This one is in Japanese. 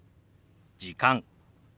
「時間」。